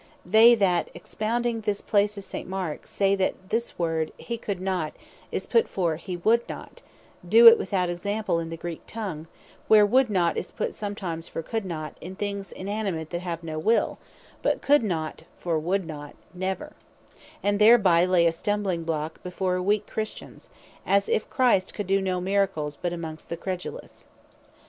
They that expounding this place of St. Marke, say, that his word, "Hee could not," is put for, "He would not," do it without example in the Greek tongue, (where Would Not, is put sometimes for Could Not, in things inanimate, that have no will; but Could Not, for Would Not, never,) and thereby lay a stumbling block before weak Christians; as if Christ could doe no Miracles, but amongst the credulous.